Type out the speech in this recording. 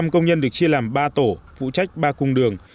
một trăm linh công nhân được chia làm ba tổ phụ trách ba cung đường